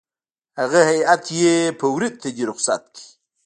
هغه هېئت یې په ورین تندي رخصت کړ.